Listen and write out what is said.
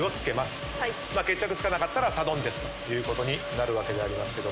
決着つかなかったらサドンデスということになるわけですけど。